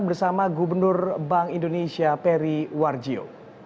bersama gubernur bank indonesia peri warjio